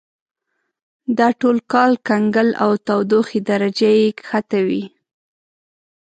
دا ټول کال کنګل او تودوخې درجه یې کښته وي.